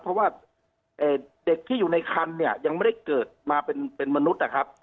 เพราะว่าเด็กที่อยู่ในคันเนี่ยยังไม่ได้เกิดมาเป็นมนุษย์นะครับ